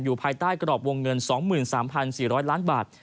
ภายใต้กรอบวงเงิน๒๓๔๐๐ล้านบาท